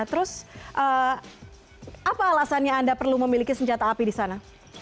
terus apa alasannya anda perlu memiliki senjata api di sana